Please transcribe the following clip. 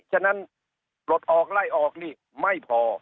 ฉะนั้นปลดออกไล่ออกนี่ไม่พอ